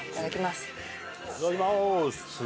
いただきまーす！